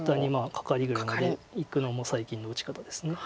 カカリぐらいまでいくのも最近の打ち方です。